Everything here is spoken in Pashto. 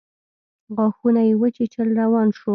غاښونه يې وچيچل روان شو.